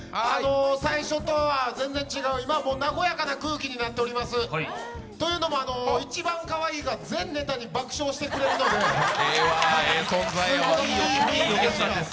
最初とは全然違う、今はもう和やかな空気になっておりますというのもいちばんかわいいが全ネタに爆笑してくれたので、すごくいいお客さんです。